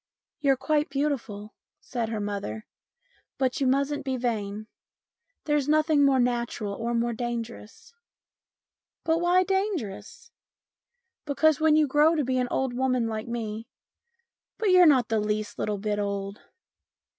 " You're quite beautiful," said her mother, " but you mustn't be vain. There's nothing more natural or more dangerous." " But why dangerous ?"" Because when you grow to be an old woman like me" " But you're not the least little bit old."